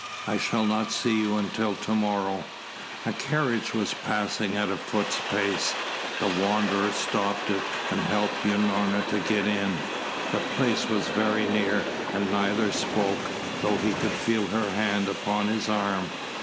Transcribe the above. I shall not see you until to morrow." A carriage was passing at a foot pace. The Wanderer stopped it, and helped Unorna to get in. The place was very near, and neither spoke, though he could feel her hand upon his arm.